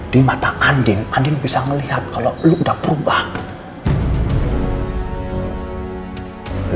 di mata andien andien bisa melihat kalau lo udah berubahkan lo sama sekali